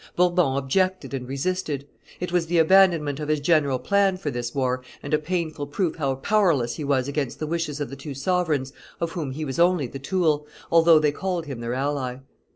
Bourbon objected and resisted; it was the abandonment of his general plan for this war and a painful proof how powerless he was against the wishes of the two sovereigns, of whom he was only the tool, although they called him their ally.